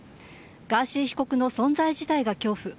ガーシー被告の存在自体が恐怖。